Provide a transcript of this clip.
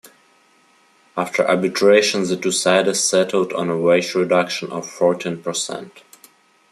After arbitration the two sides settled on a wage reduction of fourteen percent.